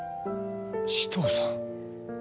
紫藤さん。